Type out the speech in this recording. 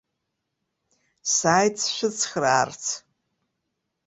Сааит сшәыцхраарц.